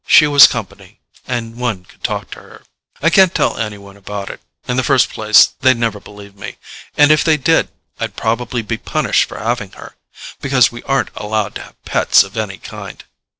She was company and one could talk to her ... I can't tell anyone about it. In the first place, they'd never believe me. And, if they did, I'd probably be punished for having her. Because we aren't allowed to have pets of any kind.